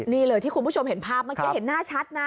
นี่เลยที่คุณผู้ชมเห็นภาพเมื่อกี้เห็นหน้าชัดนะ